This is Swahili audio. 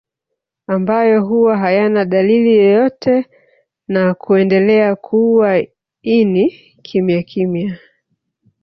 Ambayo huwa hayana dalili yoyote na kuendelea kuua ini kimyakimya